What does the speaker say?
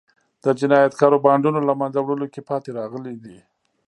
د جنایتکارو بانډونو له منځه وړلو کې پاتې راغلي دي.